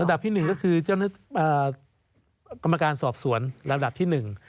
ลำดับที่หนึ่งก็คือกรรมการสอบสวนลำดับที่หนึ่ง